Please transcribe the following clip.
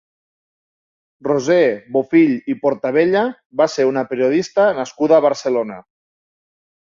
Roser Bofill i Portabella va ser una periodista nascuda a Barcelona.